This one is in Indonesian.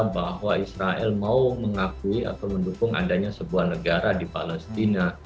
bahwa israel mau mengakui atau mendukung adanya sebuah negara di palestina